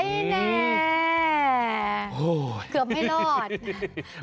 เกือบไม่รอด